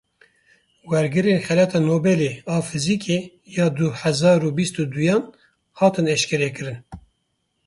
Wergirên Xelata Nobel a Fîzîkê ya du hezar û bîst û duyan hatin eşkerekirin.